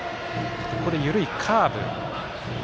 ここで緩いカーブ。